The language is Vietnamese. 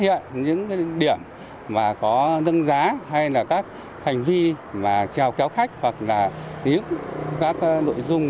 hiện những cái điểm mà có nâng giá hay là các hành vi mà trao kéo khách hoặc là những các nội dung